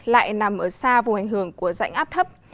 lại nằm ở xa vùng hành hưởng của dạnh áp thấp